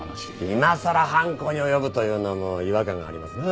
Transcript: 今さら犯行に及ぶというのも違和感がありますな。